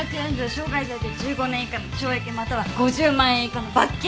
傷害罪で１５年以下の懲役または５０万円以下の罰金。